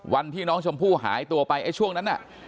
วันที่น้องชมพู่หายตัวไปไอ้ช่วงนั้นน่ะ